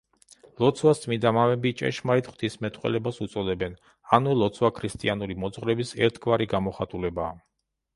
ლოცვას წმიდა მამები „ჭეშმარიტ ღვთისმეტყველებას“ უწოდებენ, ანუ ლოცვა ქრისტიანული მოძღვრების ერთგვარი გამოხატულებაა.